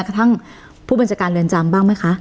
กระทั่งผู้บัญชาการเรือนจำบ้างไหมคะ